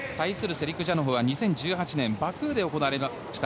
セリクジャノフは２０１８年バクーで行われました